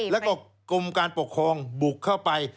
แล้วก็กรมการปกครองบุกเข้าไป